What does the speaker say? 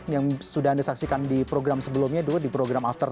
yang sudah anda saksikan di program sebelumnya dulu di program after sepuluh